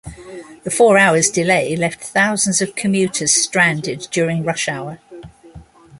The four hours delay left thousands of commuters stranded during rush-hour.